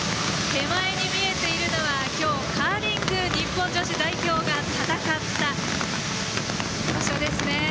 手前に見えているのは今日カーリング日本女子代表が戦った場所ですね。